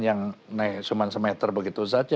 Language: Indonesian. yang naik cuma semeter begitu saja